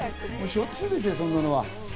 しょっちゅうですよ、そんなのは。